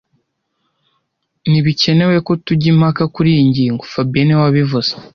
Ntibikenewe ko tujya impaka kuriyi ngingo fabien niwe wabivuze